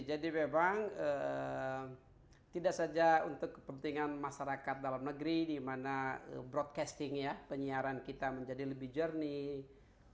jadi memang tidak saja untuk kepentingan masyarakat dalam negeri di mana broadcasting ya penyiaran kita menjadi lebih jernih